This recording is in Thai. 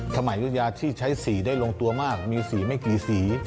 ยุธยาที่ใช้สีได้ลงตัวมากมีสีไม่กี่สี